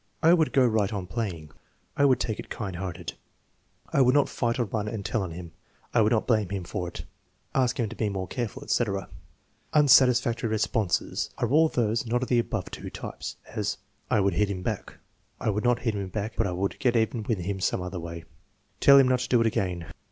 "I would go right on playing." "I would take it kind hearted." "I would not fight or run and tell on him." "I would not blame him for it." "Ask him to be more careful," etc. Unsatisfactory responses are all those not of the above two types; as: "I would hit them back." "I would not hit them back, but I would get even some other way." "Tell them not to do it again."